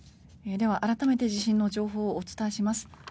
では、改めて地震の情報をお伝えします。